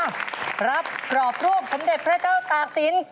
รับกรอบรูปสมเด็จพระเจ้าตากศิลป์